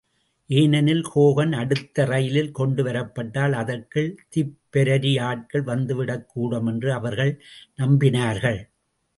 ஏனெனில் ஹோகன் அடுத்த ரயிலில் கொண்டு வரப்பட்டால், அதற்குள் திப்பெரரி ஆட்கள் வந்துவிடக்கூடும் என்று அவர்கள் நம்பினார்கள்.